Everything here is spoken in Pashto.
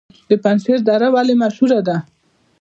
د پنجشیر دره ولې مشهوره ده؟